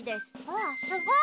わっすごい。